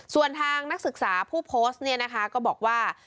ส่วนทางนักศึกษาผู้โพสต์เนี่ยนะคะก็บอกว่า